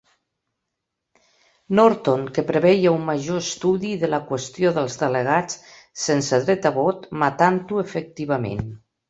Norton que preveia un major estudi de la qüestió dels delegats sense dret a vot, matant-ho efectivament.